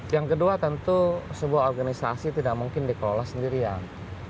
yang kedua tentu sebuah organisasi tidak mungkin dikelola sendirian